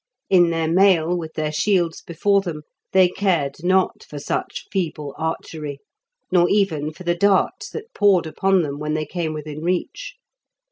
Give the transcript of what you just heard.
In their mail with their shields before them they cared not for such feeble archery, nor even for the darts that poured upon them when they came within reach.